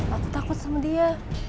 aku takut sama dia